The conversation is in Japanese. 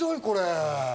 これ。